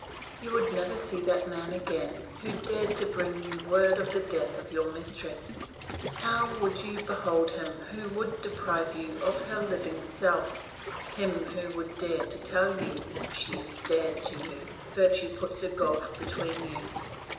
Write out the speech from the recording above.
You would never see that man again who dared to bring you word of the death of your mistress; how would you behold him who would deprive you of her living self, him who would dare to tell you, 'She is dead to you, virtue puts a gulf between you'?